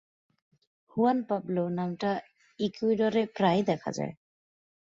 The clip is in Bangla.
হুয়ান পাবলো নামটা ইকুয়েডরে প্রায়ই দেখা যায়।